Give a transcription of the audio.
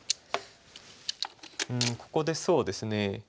うんここでそうですね。